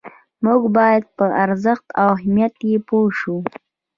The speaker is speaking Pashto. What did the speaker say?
موږ باید په ارزښت او اهمیت یې پوه شو.